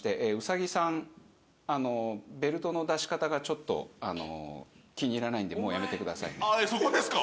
兎さんベルトの出し方がちょっと気に入らないんでもうやめてくださいそこですか？